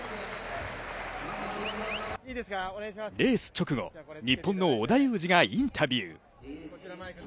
レース直後、日本の織田裕二がインタビュー。